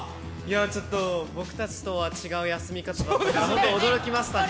ちょっと僕たちとは違う休み方だったから、驚きましたね。